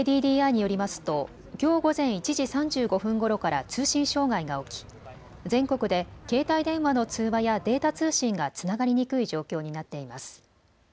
ＫＤＤＩによりますときょう午前１時３５分ごろから通信障害が起き全国で携帯電話の通話やデータ通信がつながりにくい状況になっています。